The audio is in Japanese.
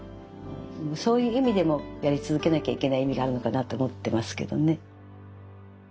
そういう意味でもやり続けなきゃいけない意味があるのかなって思ってますけどね。